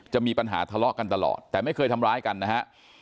มีปัญหาทะเลาะกันตลอดแต่ไม่เคยทำร้ายกันนะฮะ